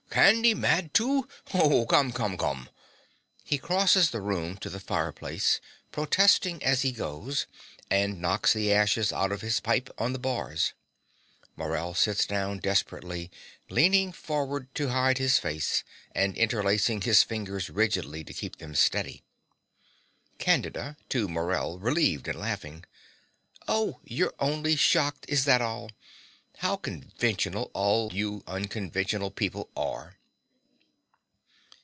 Candy mad too! Oh, come, come, come! (He crosses the room to the fireplace, protesting as he goes, and knocks the ashes out of his pipe on the bars. Morell sits down desperately, leaning forward to hide his face, and interlacing his fingers rigidly to keep them steady.) CANDIDA (to Morell, relieved and laughing). Oh, you're only shocked! Is that all? How conventional all you unconventional people are!